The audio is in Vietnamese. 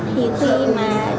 thì khi mà